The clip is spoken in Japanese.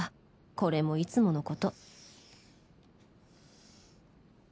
これもいつもの事